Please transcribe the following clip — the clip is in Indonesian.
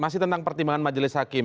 masih tentang pertimbangan majelis hakim